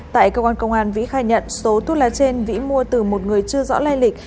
tại cơ quan công an vĩ khai nhận số thuốc lá trên vĩ mua từ một người chưa rõ lai lịch